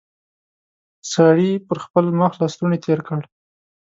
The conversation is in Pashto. سړي پر خپل مخ لستوڼی تېر کړ.